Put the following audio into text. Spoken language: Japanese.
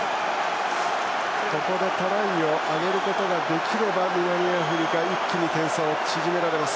ここでトライを挙げることができれば南アフリカ一気に点差を縮められます。